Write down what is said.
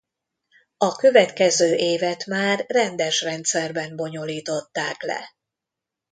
A következő évet már rendes rendszerben bonyolították le.